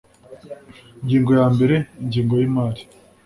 Ingingo ya mbere Ingengo y imari